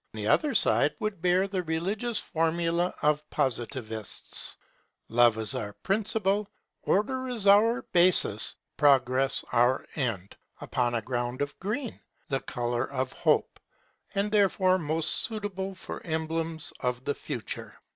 The other side would bear the religious formula of Positivists: Love is our Principle, Order is our Basis, Progress our End, upon a ground of green, the colour of hope, and therefore most suitable for emblems of the future.